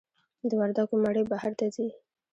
د وردګو مڼې بهر ته ځي؟